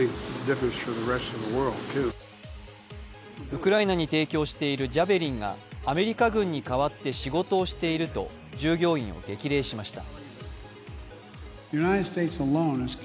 ウクライナに提供しているジャベリンがアメリカ軍に代わって仕事をしていると従業員を激励しました。